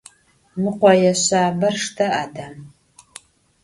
Mı khoê şsaber şşte, Adam.